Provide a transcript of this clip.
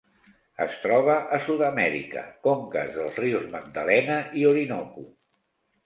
Es troba a Sud-amèrica: conques dels rius Magdalena i Orinoco.